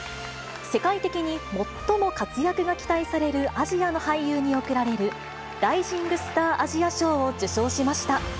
世界的に最も活躍が期待されるアジアの俳優に贈られる、ライジングスター・アジア賞を受賞しました。